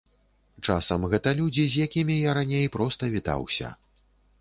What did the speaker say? Часам гэта людзі, з якімі я раней проста вітаўся.